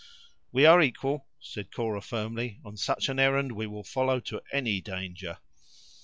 "We are equal," said Cora, firmly; "on such an errand we will follow to any danger."